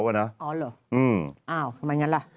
อ๋อเหรออ้าวทำไมงั้นล่ะ